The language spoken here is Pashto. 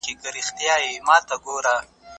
نه په شرم نه گناه به څوك پوهېږي